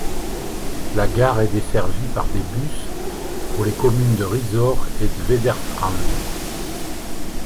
La gare est desservie par des bus pour les communes de Risør et Tvedestrand.